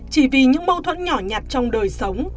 chỉ vì những mâu thuẫn nhỏ nhặt trong đời sống